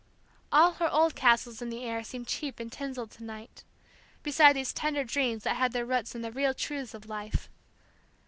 All her old castles in the air seemed cheap and tinselled to night, beside these tender dreams that had their roots in the real truths of life.